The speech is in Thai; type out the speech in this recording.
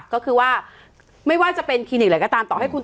ก็คือว่าไม่ว่าจะเป็นคลินิกอะไรก็ตามต่อให้คุณ